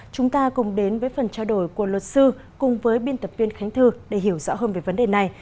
chúng ta cùng đến với phần trao đổi của luật sư cùng với biên tập viên khánh thư để hiểu rõ hơn về vấn đề này